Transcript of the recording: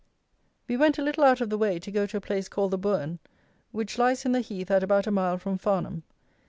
We went a little out of the way to go to a place called the Bourn, which lies in the heath at about a mile from Farnham.